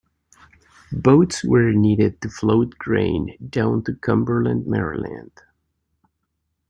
Boats were needed to float grain down to Cumberland, Maryland.